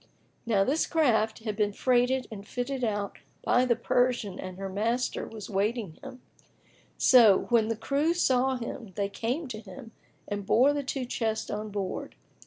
Now this craft had been freighted and fitted out by the Persian and her master was awaiting him; so, when the crew saw him, they came to him and bore the two chests on board.